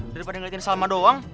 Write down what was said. daripada ngeliatin salma doang